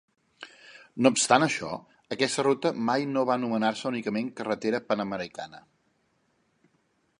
No obstant això, aquesta ruta mai no va anomenar-se únicament carretera Panamericana.